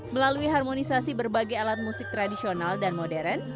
melalui harmonisasi berbagai alat musik tradisional dan modern